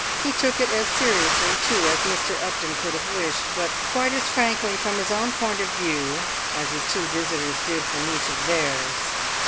He took it as seriously, too, as Mr. Upton could have wished, but quite as frankly from his own point of view as his two visitors did from each of theirs.